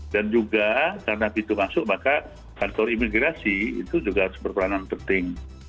dan juga karena itu masuk maka kantor imigrasi itu juga sepertanan penting